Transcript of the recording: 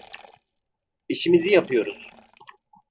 İşimizi yapıyoruz.